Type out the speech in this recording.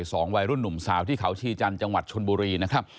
สองวัยรุ่นหนุ่มสาวที่เขาชีจันทร์จังหวัดชนบุรีนะครับ